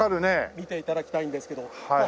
見て頂きたいんですけど。